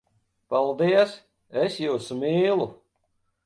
Paldies! Es jūs mīlu!